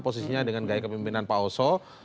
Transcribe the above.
khususnya dengan gaya kepimpinan pak oso